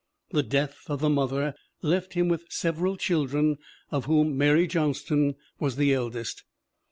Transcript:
The death of the mother left him with several children of whom Mary Johnston was the eldest.